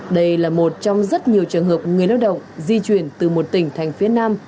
đây là một trong rất nhiều trường hợp người lao động di chuyển từ một tỉnh thành phía nam